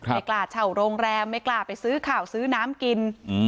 ไม่กล้าเช่าโรงแรมไม่กล้าไปซื้อข่าวซื้อน้ำกิน